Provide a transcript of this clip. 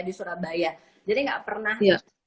di surabaya jadi nggak pernah